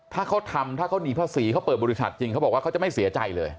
ถ้าเขาทำถ้าเขาหนีภาษีเขาเปิดบริษัทจริงเขาบอกว่าเขาจะไม่เสียใจเลย